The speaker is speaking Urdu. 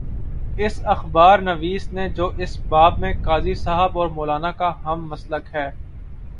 اس اخبار نویس نے جو اس باب میں قاضی صاحب اور مو لانا کا ہم مسلک ہے۔